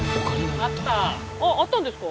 ああったんですか？